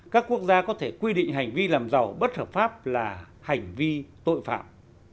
các quốc gia có thể quy định hành vi làm giàu bất hợp pháp là hành vi tội phạm